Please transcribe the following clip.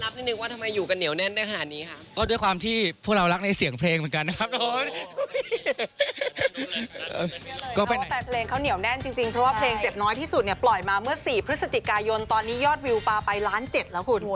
เพราะด้วยความที่พวกเรารักในเสียงเพลงเหมือนกันนะครับ